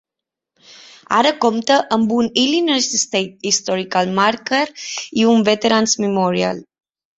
Ara compta amb un Illinois State Historical Marker i un Veteran's Memorial.